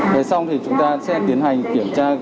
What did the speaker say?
rồi xong thì chúng ta sẽ tiến hành kiểm tra ghế